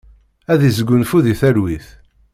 Ad isgunfu di talwit!